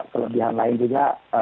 kelebihan lain juga